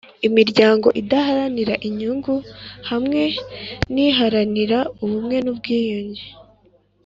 imiryango idaharanira inyungu hamwe niharanira ubumwe nubwiyunge